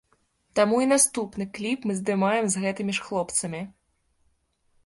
Таму і наступны кліп мы здымем з гэтымі ж хлопцамі.